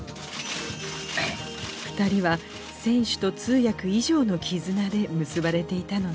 ２人は選手と通訳以上の絆で結ばれていたのね。